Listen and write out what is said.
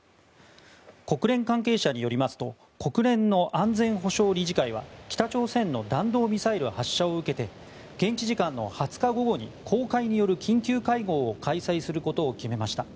国連関係者によりますと国連の安全保障理事会は北朝鮮の弾道ミサイル発射を受けて現地時間の２０日午後に公開による緊急会合を開催することを決めました。